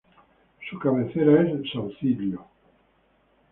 Su cabecera es Saucillo.